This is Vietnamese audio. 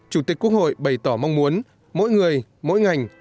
chủ tịch quốc hội bày tỏ mong muốn mỗi người mỗi ngành